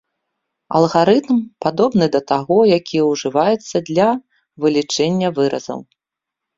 Алгарытм падобны да таго, які ўжываецца для вылічэння выразаў.